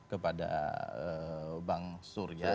kepada bang surya